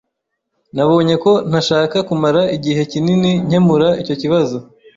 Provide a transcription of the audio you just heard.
Nabonye ko ntashaka kumara igihe kinini nkemura icyo kibazo.